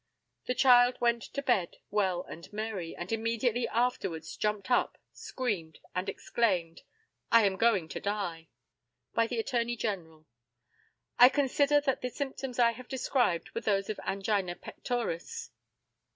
The child went to bed well and merry, and immediately afterwards jumped up, screamed, and exclaimed, "I am going to die!" By the ATTORNEY GENERAL: I consider that the symptoms I have described were those of angina pectoris.